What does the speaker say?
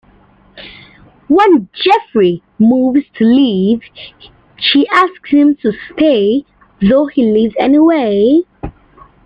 When Jeffrey moves to leave, she asks him to stay, though he leaves anyway.